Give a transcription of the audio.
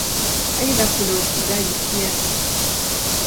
Aidha kuna ufugaji kiasi.